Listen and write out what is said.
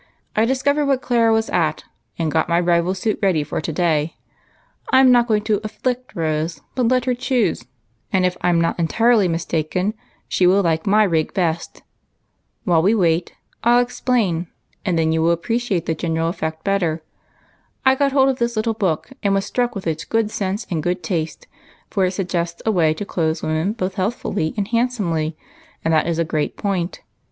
I discovered what Clara was at, and got my rival suit ready for to day. I'm not going to 'afflict' Rose, but let her choose, and if I'm not entirely mistaken, she will like my rig best. While we wait I '11 explain, and then you will appreciate the general effect better. I got hold of this little book, and was struck with its good sense and good taste, for it suggests a way to clothe women both healthfully and handsomely, and FASHION AND PHYSIOLOGY. 211 that is a great point.